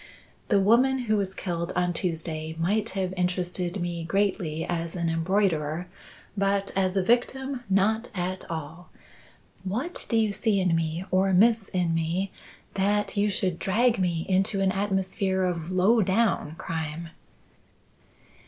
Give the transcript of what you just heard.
The woman who was killed on Tuesday might have interested me greatly as an embroiderer, but as a victim, not at all. What do you see in me, or miss in me, that you should drag me into an atmosphere of low down crime?"